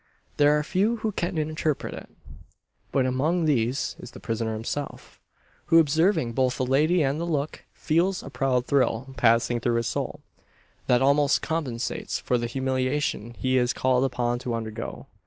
There are few who can interpret it. But among these, is the prisoner himself; who, observing both the lady and the look, feels a proud thrill passing through his soul, that almost compensates for the humiliation he is called upon to undergo.